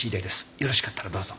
よろしかったらどうぞ。